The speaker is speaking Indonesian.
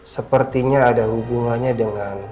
sepertinya ada hubungannya dengan